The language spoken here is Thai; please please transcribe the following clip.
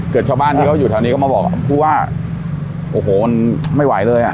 เกิดชาวบ้านที่เขาอยู่ทางนี้เข้ามาบอกคือว่าโอ้โหไม่ไหวเลยอ่ะ